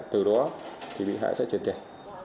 từ đó thì bị hại sẽ truyền tiền